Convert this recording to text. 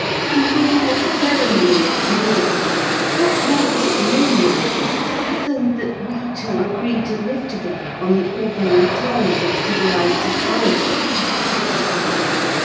A mere ceremony of marriage; what more does it mean nowadays than that we two agree to live together on the ordinary terms of civilised society?"